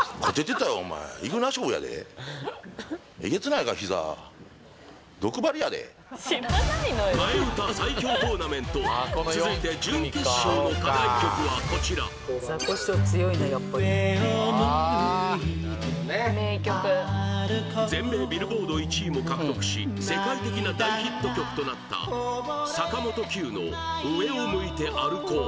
替え歌最強トーナメント続いて準決勝の課題曲はこちら上を向いて歩こう全米ビルボード１位も獲得し世界的な大ヒット曲となった坂本九の「上を向いて歩こう」